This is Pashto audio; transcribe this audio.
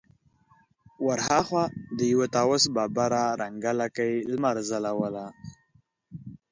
ور هاخوا د يوه طاوس ببره رنګه لکۍ لمر ځلوله.